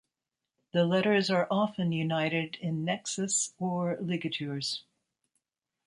The letters are often united in nexus or ligatures.